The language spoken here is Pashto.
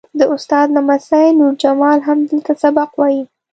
د استاد لمسی نور جمال هم دلته سبق وایي.